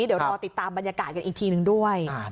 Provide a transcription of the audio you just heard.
เดี๋ยวรอติดตามบรรยากาศกันอีกทีนึงด้วย